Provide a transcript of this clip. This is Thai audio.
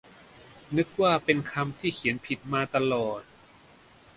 นึกว่าเป็นคำที่เขียนผิดมาตลอด